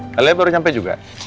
kalian baru nyampe juga